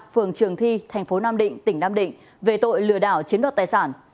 phường trường thi thành phố nam định tỉnh nam định về tội lừa đảo chiếm đoạt tài sản